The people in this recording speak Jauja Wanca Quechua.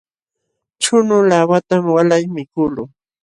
Chunu laawatam walay mikuqluu.